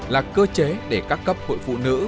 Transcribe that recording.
là cơ chế để các cấp hội phụ nữ